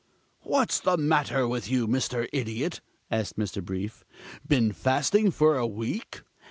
"What's the matter with you, Mr. Idiot?" asked Mr. Brief. "Been fasting for a week?"